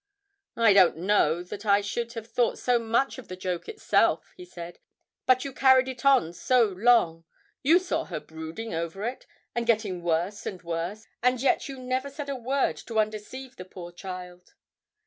'I don't know that I should have thought so much of the joke itself,' he said, 'but you carried it on so long; you saw her brooding over it and getting worse and worse, and yet you never said a word to undeceive the poor child!'